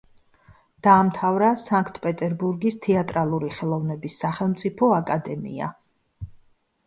დაამთავრა სანქტ-პეტერბურგის თეატრალური ხელოვნების სახელმწიფო აკადემია.